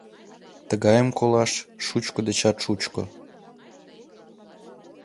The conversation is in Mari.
Тыгайым колаш — шучко дечат шучко.